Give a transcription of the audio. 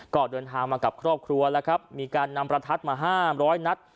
ก็เดินทางมากับครอบครัวแล้วครับมีการนำประทัดมา๕๐๐นัด